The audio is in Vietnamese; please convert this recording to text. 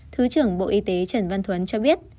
thứ trưởng bộ y tế trần văn thuấn cho biết